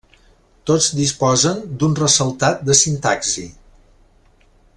Tots disposen d'un ressaltat de sintaxi.